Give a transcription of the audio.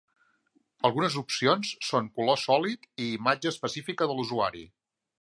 Algunes opcions són color sòlid i imatge específica de l'usuari.